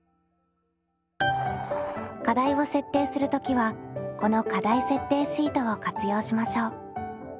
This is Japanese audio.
課題を設定する時はこの課題設定シートを活用しましょう。